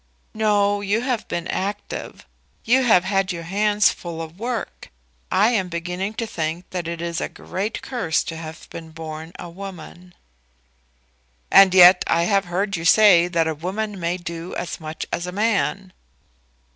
"No; you have been active. You have had your hands full of work. I am beginning to think that it is a great curse to have been born a woman." "And yet I have heard you say that a woman may do as much as a man."